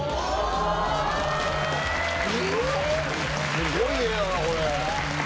すごい芸だなこれ。